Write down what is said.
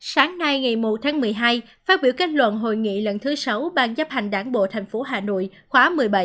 sáng nay ngày một tháng một mươi hai phát biểu kết luận hội nghị lần thứ sáu ban chấp hành đảng bộ tp hà nội khóa một mươi bảy